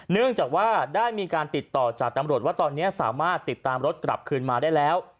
เนื่องจากว่าได้มีการติดต่อจากตำรวจว่าตอนนี้สามารถติดตามรถกลับคืนมาได้แล้ว